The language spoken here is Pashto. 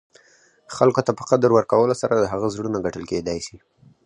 خلګو ته په قدر ورکولو سره، د هغه زړونه ګټل کېداى سي.